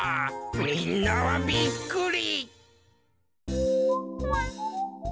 みんなはびっくり。